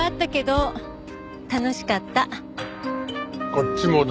こっちもだ。